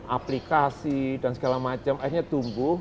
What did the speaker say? aplikasi dan segala macam akhirnya tumbuh